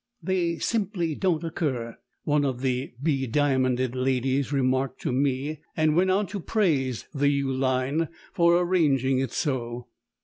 "They simply don't occur," one of the be diamonded ladies remarked to me, and went on to praise the U Line for arranging it so.